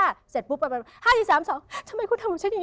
สุดท้าย